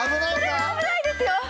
それは危ないですよ！